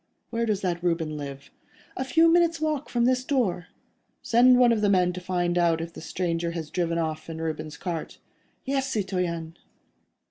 Where does that Reuben live?" "A few minutes' walk from this door." "Send one of the men to find out if the stranger has driven off in Reuben's cart." "Yes, citoyen."